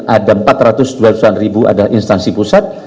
ada empat ratus dua puluh an ribu ada instansi pusat